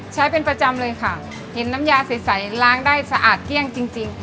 ใช้เป็นประจำเลยค่ะเห็นน้ำยาใสล้างได้สะอาดเกลี้ยงจริง